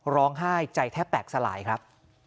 ร้องไห้ใจแทบแตกสลายครับ